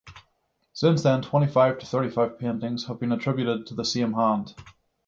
Since then, twenty-five to thirty-five paintings have been attributed to the same hand.